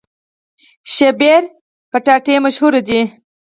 شیبر کچالو مشهور دي؟